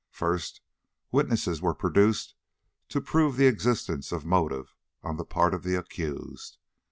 First, witnesses were produced to prove the existence of motive on the part of the accused.